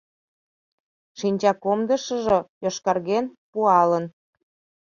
Шинчакомдышыжо йошкарген, пуалын.